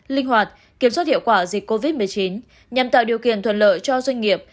linh hoạt kiểm soát hiệu quả dịch covid một mươi chín nhằm tạo điều kiện thuận lợi cho doanh nghiệp